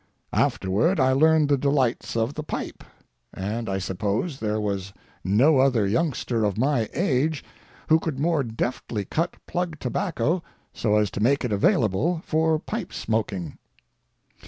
Afterward I learned the delights of the pipe, and I suppose there was no other youngster of my age who could more deftly cut plug tobacco so as to make it available for pipe smoking.